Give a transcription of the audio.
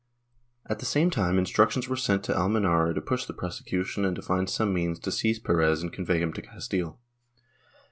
At the same time instructions were sent to Almenara to push the prosecution and to find some means to seize Perez and convey him to Castile.